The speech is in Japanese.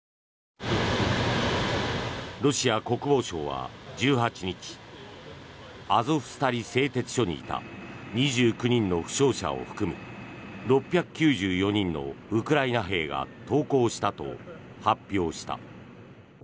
ロシア国防省は１８日アゾフスタリ製鉄所にいた２９人の負傷者を含む６９４人のウクライナ兵が投降したと発表した。